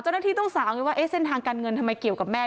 เจ้าหน้าที่ต้องสาวไงว่าเส้นทางการเงินทำไมเกี่ยวกับแม่